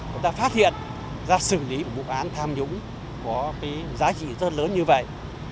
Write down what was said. chúng ta phát hiện ra xử lý một vụ án tham nhũng có cái giá trị rất lớn như vậy